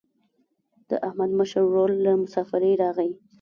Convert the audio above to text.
د احمد مشر ورور له مسافرۍ راغی.